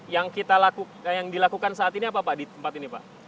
yang dilakukan saat ini apa pak di tempat ini pak